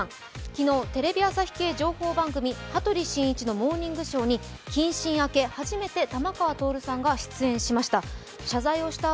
昨日、テレビ朝日系情報番組「羽鳥慎一モーニングショー」に謹慎明け初めて玉川徹さんが出演しました。